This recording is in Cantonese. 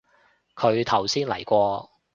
佢頭先嚟過